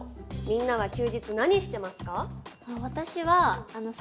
みんなは休日何してますか？